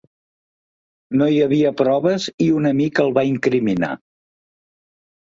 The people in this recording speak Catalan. No hi havia proves i un amic el va incriminar.